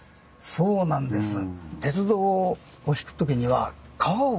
そうなんですね。